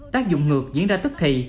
tác dụng ngược diễn ra tức thì